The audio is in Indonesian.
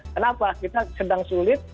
kenapa kita sedang sulit